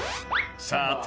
［さあ］